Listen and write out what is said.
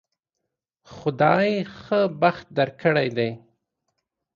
خدای ښه بخت درکړی دی